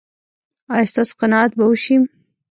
ایا ستاسو قناعت به وشي؟